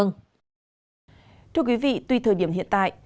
chào quý vị tuy thời điểm hiện tại